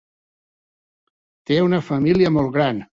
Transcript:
Té una família molt gran.